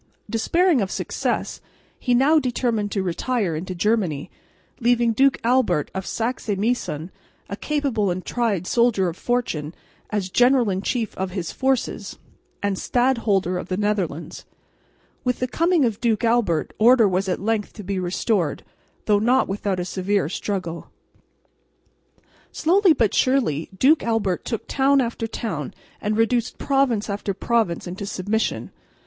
Despairing of success, he now determined to retire into Germany, leaving Duke Albert of Saxe Meissen, a capable and tried soldier of fortune, as general in chief of his forces and Stadholder of the Netherlands. With the coming of Duke Albert order was at length to be restored, though not without a severe struggle. Slowly but surely Duke Albert took town after town and reduced province after province into submission.